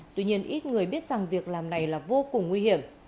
tuy nhiên ít người biết rằng việc làm này là vô cùng nguy hiểm